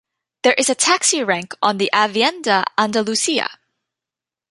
There is a taxi rank on the Avenida Andalucia.